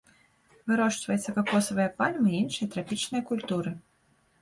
Вырошчваецца какосавая пальма і іншыя трапічныя культуры.